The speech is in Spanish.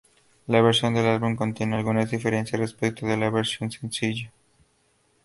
La versión del álbum contiene algunas diferencias respecto de la versión sencillo.